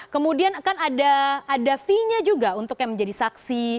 kemudian kan ada fee nya juga untuk yang menjadi saksi